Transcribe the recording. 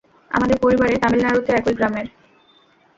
আমাদের পরিবারে তামিলনাড়ুতে একই গ্রামের।